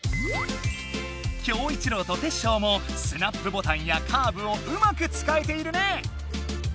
キョウイチロウとテッショウもスナップボタンやカーブをうまく使えているね！